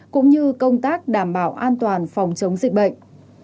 cũng như công tác đảm bảo an toàn phòng chống dịch bệnh